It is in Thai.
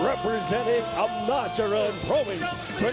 รับทราบของอัมนาจริงโปรวินส์